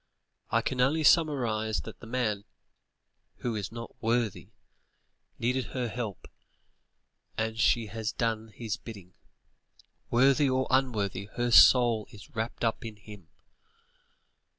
I can only surmise that the man, who is not worthy needed her help and she has done his bidding. Worthy or unworthy, her soul is wrapped up in him.